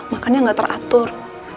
makannya gak teratur